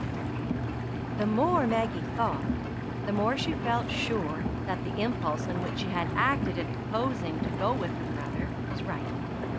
The more Maggie thought, the more she felt sure that the impulse on which she had acted in proposing to go with her brother was right.